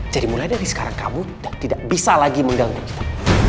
jadi mulai dari sekarang kamu tidak bisa lagi mengganggu kita